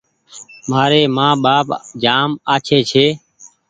مآري مآن ٻآپ جآم آڇي ڇي